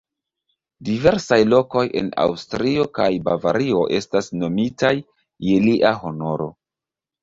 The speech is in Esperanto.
Diversaj lokoj en Aŭstrio kaj Bavario estas nomitaj je lia honoro.